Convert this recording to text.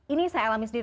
ini saya alami sendiri